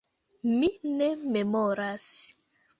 Mi ne memoras.